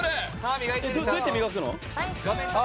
どうやって磨くの？